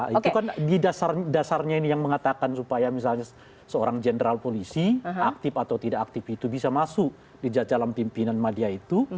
itu kan di dasarnya ini yang mengatakan supaya misalnya seorang jenderal polisi aktif atau tidak aktif itu bisa masuk di jacalan pimpinan madia itu